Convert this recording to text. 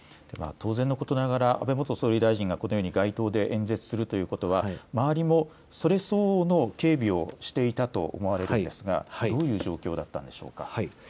当然のことながら安倍元総理大臣が街頭で演説するということは、周りもそれ相応の警備をしていたと思われるんですが、どういう状況だったんでしょうか。